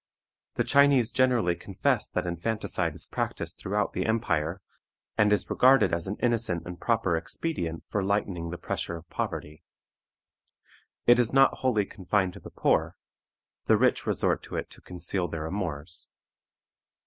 The Chinese generally confess that infanticide is practiced throughout the empire, and is regarded as an innocent and proper expedient for lightening the pressure of poverty. It is not wholly confined to the poor; the rich resort to it to conceal their amours.